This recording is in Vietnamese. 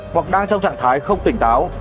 hoặc đang trong trạng thái không tỉnh táo